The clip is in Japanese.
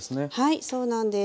はいそうなんです。